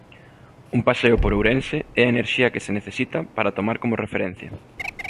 Un paseo por Ourense é a enerxía que se necesita para tomar como referencia.